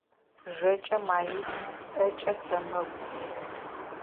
Жэкӏэ маис, ӏэкӏэ сэмэгу.